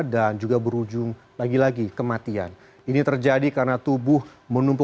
dan juga membuang makanan